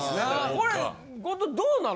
これ後藤どうなの？